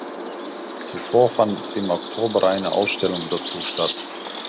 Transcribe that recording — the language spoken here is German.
Zuvor fand im Oktober eine Ausstellung dazu statt.